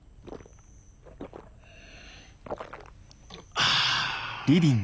ああ！